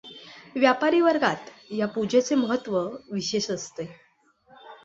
व्यापारी वर्गात या पूजेचे महत्व विशेष असते.